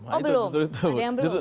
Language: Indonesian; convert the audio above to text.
oh belum ada yang belum